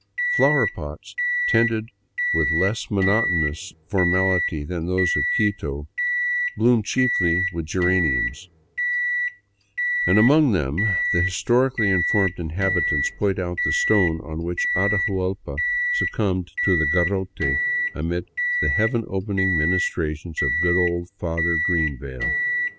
Flower plots, tended with less monotonous 26 s VAGABONDING DOWN THE ANDES formality than those of Quito, bloom chiefly with geraniums, and among them the historically informed inhabitants point out the stone on which Atahuallpa succumbed to the garrote amid the heaven opening ministrations of good old Father Greenvale.